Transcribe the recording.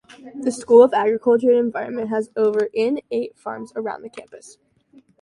The school of Agriculture and Environment has over in eight farms around the campus.